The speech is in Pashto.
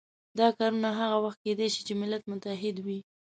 دا کارونه هغه وخت کېدای شي چې ملت متحد وي.